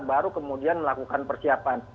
baru kemudian melakukan persiapan